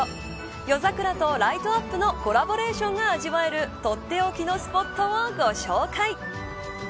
夜桜とライトアップのコラボレーションが味わえるとっておきのスポットをご紹介。